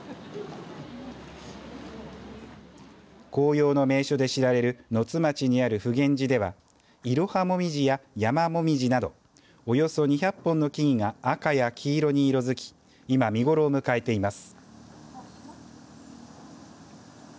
紅葉の名所で知られる野津町にある普現寺ではイロハモミジやヤマモミジなどおよそ２００本の木々が赤や黄色に色づき今、見頃を迎えています。